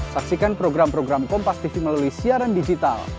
saksikan program program kompastv melalui siaran digital